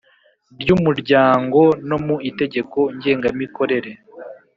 Ry umuryango no mu itegeko ngengamikorere